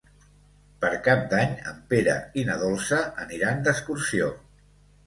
Per Cap d'Any en Pere i na Dolça aniran d'excursió.